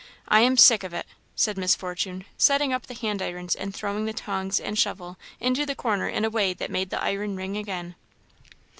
I am sick of it!" said Miss Fortune, setting up the hand irons and throwing the tongs and shovel into the corner in a way that made the iron ring again.